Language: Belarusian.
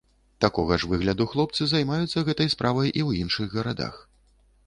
Такога ж выгляду хлопцы займаюцца гэтай справай у іншых гарадах.